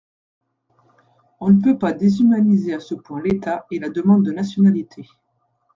On ne peut pas déshumaniser à ce point l’État et la demande de nationalité.